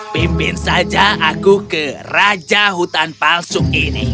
pimpin saja aku ke raja hutan palsu ini